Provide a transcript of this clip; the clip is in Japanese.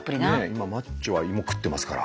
今マッチョは芋食ってますから。